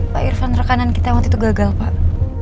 pak irfan rekanan kita waktu itu gagal pak